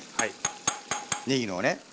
ねぎをね。